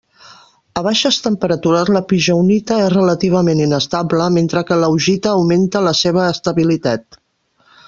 A baixes temperatures la pigeonita és relativament inestable mentre que l'augita augmenta la seva estabilitat.